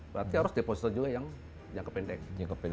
berarti harus deposite juga yang jangka pendek